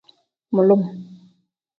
Mulum.